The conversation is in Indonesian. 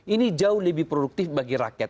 ini jauh lebih produktif bagi rakyat